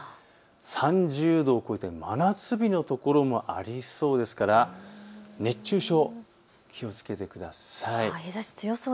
３０度を超えて真夏日の所もありそうですから熱中症、気をつけてください。